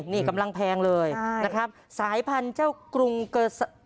นี่กำลังแพงเลยนะครับสายพันธุ์เจ้ากรุงเกอร์